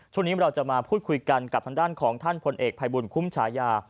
ช่วงนี้เราจะมาพูดคุยกันกับทางด้านของท่านพลเอกภัยบุญคุ้มฉายา